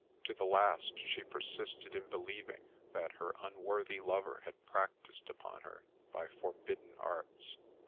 To the last she persisted in believing that her unworthy lover had practised upon her by forbidden arts.